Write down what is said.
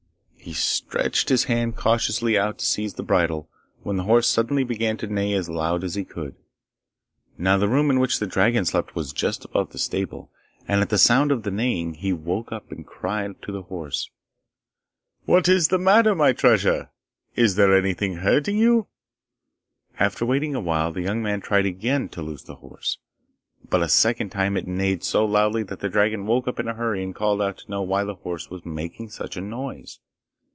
He stretched his hand cautiously out to seize the bridle, when the horse suddenly began to neigh as loud as he could. Now the room in which the dragon slept was just above the stable, and at the sound of the neighing he woke and cried to the horse, 'What is the matter, my treasure? is anything hurting you?' After waiting a little while the young man tried again to loose the horse, but a second time it neighed so loudly that the dragon woke up in a hurry and called out to know why the horse was making such a noise.